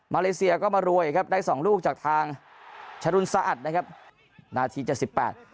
เลเซียก็มารวยครับได้สองลูกจากทางชรุนสะอัดนะครับนาทีเจ็ดสิบแปด